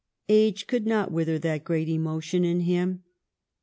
Age could not wither that great emotion in him.